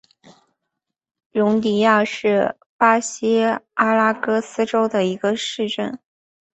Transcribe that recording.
容迪亚是巴西阿拉戈斯州的一个市镇。